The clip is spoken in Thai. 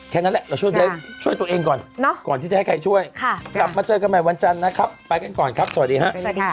แค่นั้นแหละเราช่วยตัวเองก่อนก่อนที่จะให้ใครช่วยกลับมาเจอกันใหม่วันจันทร์นะครับไปกันก่อนครับสวัสดีครับ